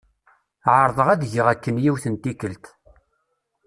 Ԑerḍeɣ ad geɣ akken yiwet n tikelt.